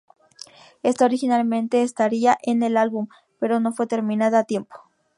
Esta, originalmente estaría en el álbum, pero no fue terminada a tiempo.